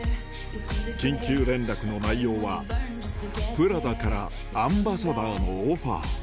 緊急連絡の内容は、プラダからアンバサダーのオファー。